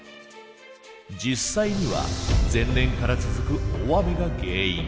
実際には前年から続く大雨が原因。